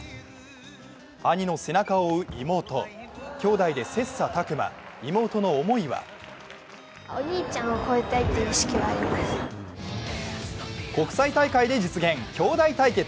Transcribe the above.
兄の背中を追う、妹きょうだいで切磋琢磨、妹の思いは国際大会で実現、きょうだい対決。